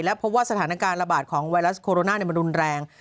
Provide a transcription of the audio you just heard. เพราะว่าสถานการณ์ระบาดของไวรัสโคโรนามันรุนแรง